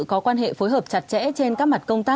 có quan hệ phối hợp chặt chẽ trên các mặt công tác